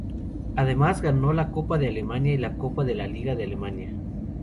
Además ganó la Copa de Alemania y la Copa de la Liga de Alemania.